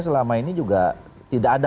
selama ini juga tidak ada